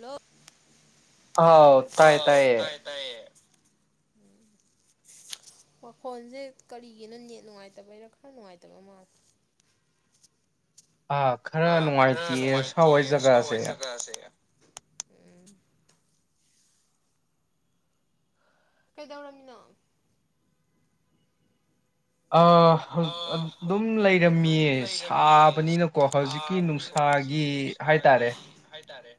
ꯂꯣ ꯑꯥꯎ ꯇꯥꯏꯌꯦ ꯇꯥꯏꯌꯦ ꯎꯝ ꯋꯥ ꯐꯣꯟꯁꯦ ꯀꯔꯤꯒꯤꯅꯣ ꯅꯦꯠ ꯅꯨꯡꯉꯥꯏꯇꯕꯒꯤꯔ ꯈꯔ ꯅꯨꯡꯉꯥꯏꯇꯕ ꯃꯥꯜꯂꯦ ꯑ ꯈꯔ ꯑꯥ ꯈꯔ ꯅꯨꯡꯉꯥꯏꯇꯤꯌꯦ ꯁꯥꯋꯥꯏ ꯅꯨꯡꯉꯥꯏꯇꯦꯌꯦ ꯁꯥꯋꯥꯏ ꯖꯒꯥꯖꯦ ꯖꯒꯥꯁꯦ ꯎꯝ ꯀꯩꯗꯧꯔꯃꯤꯅꯣ ꯑ ꯑꯥ ꯑꯗꯨꯝ ꯑꯗꯨꯝ ꯂꯩꯔꯝꯃꯤꯌꯦ ꯂꯩꯔꯝꯃꯤꯌꯦ ꯁꯥꯕꯅꯤꯅꯀꯣ ꯍꯧꯖꯤꯛꯀꯤ ꯁꯥꯕꯅꯤꯅ ꯅꯨꯡꯁꯥꯒꯤ ꯍꯧꯖꯤꯛꯀꯤ ꯅꯨꯡꯁꯥꯒꯤ ꯍꯥꯏꯇꯥꯔꯦ ꯍꯥꯏꯇꯥꯔꯦ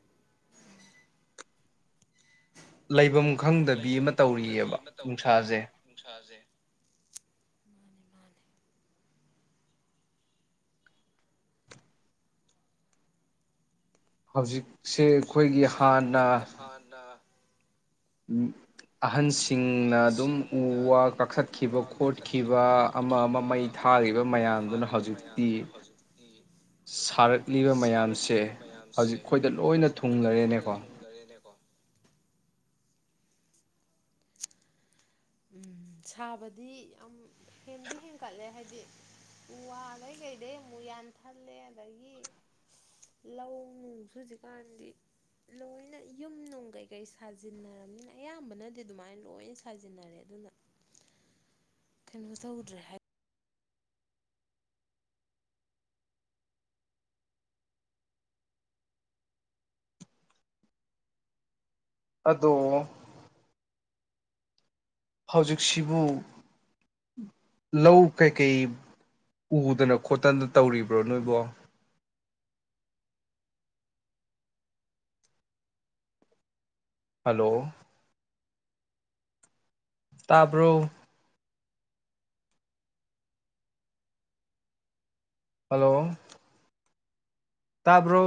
ꯂꯩꯕꯝ ꯈꯪꯗꯕꯤ ꯑꯃ ꯂꯩꯐꯝ ꯈꯪꯗꯕꯤ ꯇꯧꯔꯤꯌꯦꯕ ꯑꯃ ꯇꯧꯔꯤꯑꯕ ꯅꯨꯡꯁꯥꯖꯦ ꯅꯨꯡꯁꯥꯁꯦ ꯃꯥꯅꯦ ꯃꯥꯅꯦ ꯍꯧꯖꯤꯛ ꯁꯦ ꯑꯩꯈꯣꯏꯒꯤ ꯍꯧꯖꯤꯛꯁꯦ ꯍꯥꯟꯅ ꯑꯈꯣꯏꯒꯤ ꯍꯥꯟꯅ ꯎꯝ ꯑꯍꯟꯁꯤꯡꯅ ꯑꯗꯨꯝ ꯎ ꯑꯍꯟꯁꯤꯡꯅ ꯋꯥ ꯑꯗꯨꯝ ꯎ ꯀꯛꯊꯠꯈꯤꯕ ꯋꯥ ꯈꯣꯠꯈꯤꯕ ꯀꯛꯊꯠꯈꯤꯕ ꯑꯃ ꯑꯃ ꯃꯩ ꯈꯣꯠꯈꯤꯕ ꯑꯃ ꯊꯥꯔꯤꯕ ꯑꯃ ꯃꯩ ꯃꯌꯥꯝꯗꯨꯅ ꯊꯥꯔꯤꯕ ꯍꯧꯖꯤꯛꯇꯤ ꯃꯌꯥꯝꯗꯨꯅ ꯍꯧꯖꯤꯛꯇꯤ ꯁꯥꯔꯛꯂꯤꯕ ꯃꯌꯥꯝꯁꯦ ꯁꯥꯔꯛꯂꯤꯕ ꯍꯧꯖꯤꯛ ꯃꯌꯥꯝꯁꯦ ꯑꯩꯈꯣꯏꯗ ꯂꯣꯏꯅ ꯍꯧꯖꯤꯛ ꯑꯩꯈꯣꯏꯗ ꯂꯣꯏꯅ ꯊꯨꯡꯂꯔꯦꯅꯦꯀꯣ ꯊꯨꯡꯂꯔꯦꯅꯦꯀꯣ ꯎꯝ ꯁꯥꯕꯗꯤ ꯌꯥꯝ ꯍꯦꯟꯗꯤ ꯍꯦꯟꯀꯠꯂꯦ ꯍꯥꯏꯗꯤ ꯎ ꯋꯥꯗꯩ ꯀꯩꯗꯩ ꯑꯃꯨꯛ ꯌꯥꯟꯊꯠꯂꯦ ꯑꯗꯒꯤ ꯂꯧ ꯅꯨꯡꯁꯨ ꯍꯧꯖꯤꯛꯀꯥꯟꯗꯤ ꯂꯣꯏꯅ ꯌꯨꯝ ꯅꯨꯡ ꯀꯩꯀꯩ ꯁꯥꯖꯤꯟꯅꯔꯝꯅꯤꯅ ꯑꯌꯥꯝꯕꯅꯗꯤ ꯑꯗꯨꯃꯥꯏꯅ ꯂꯣꯏꯅ ꯁꯥ ꯌꯥꯔꯦ ꯑꯗꯨꯅ ꯀꯩꯅꯣ ꯇꯧꯗ꯭ꯔꯦ ꯍꯥꯏ ꯑꯗꯣ ꯍꯧꯖꯤꯛꯁꯤꯕꯨ ꯂꯧ ꯀꯩꯀꯩ ꯎꯗꯅ ꯈꯣꯠꯇꯅ ꯇꯧꯔꯤꯕ꯭ꯔꯣ ꯅꯣꯏꯕꯣ ꯍꯜꯂꯣ ꯇꯥꯕ꯭ꯔꯣ ꯍꯜꯂꯣ ꯇꯥꯕ꯭ꯔꯣ